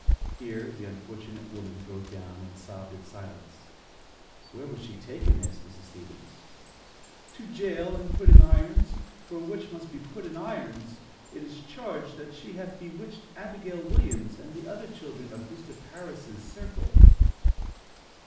Here the unfortunate young woman broke down and sobbed in silence. "Where was she taken?" asked Mrs. Stevens. "To jail and put in irons, for a witch must be put in irons. It is charged that she hath bewitched Abigail Williams and the other children of Mr. Parris' circle."